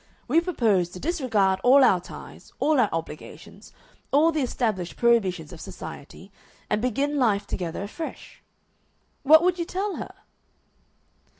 We propose to disregard all our ties, all our obligations, all the established prohibitions of society, and begin life together afresh.' What would you tell her?"